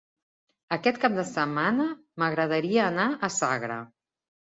Aquest cap de setmana m'agradaria anar a Sagra.